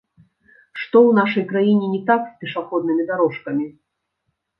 Што ў нашай краіне не так з пешаходнымі дарожкамі?